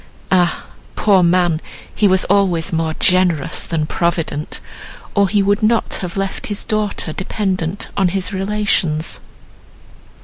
Ah! poor man, he was always more generous than provident, or he would not have left his daughter dependent on his relations."